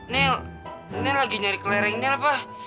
nel nel lagi nyari kelereng nel pak